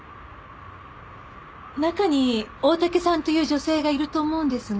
中に大竹さんという女性がいると思うんですが。